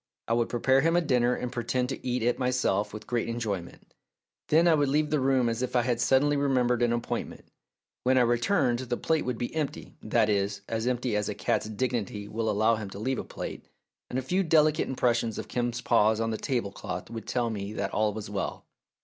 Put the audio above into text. I would prepare him a dinner and pretend to eat it myself with great enjoyment ; then I would leave the room as if I had suddenly remembered an appointment. When I re turned the plate would be empty that is, as empty as a cat's dignity will allow him to leave a plate, and a few delicate impres sions of Kim's paws on the tablecloth would tell me that all was well.